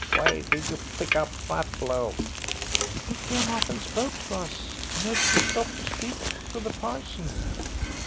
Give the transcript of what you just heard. "Where did you pick up that bloke?" "He came up and spoke to us, and Esther stopped to speak to the parson."